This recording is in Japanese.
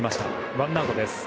ワンアウトです。